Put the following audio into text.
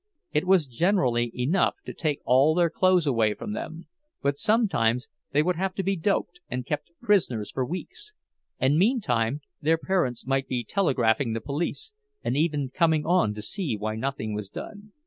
It was generally enough to take all their clothes away from them; but sometimes they would have to be "doped" and kept prisoners for weeks; and meantime their parents might be telegraphing the police, and even coming on to see why nothing was done.